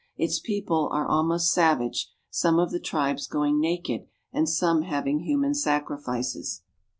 Its people are almost savage, some of the tribes going naked and some having human sacrifices.